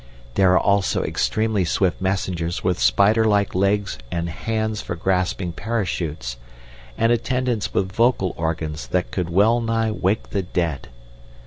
There are also extremely swift messengers with spider like legs and 'hands' for grasping parachutes, and attendants with vocal organs that could well nigh wake the dead.